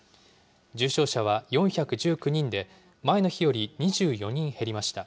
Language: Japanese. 重症者は４１９人で、前の日より２４人減りました。